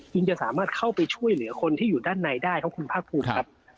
จึงจะสามารถเข้าไปช่วยเหลือคนที่อยู่ด้านในได้ครับคุณภาคภูมิครับ